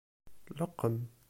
Leqqem.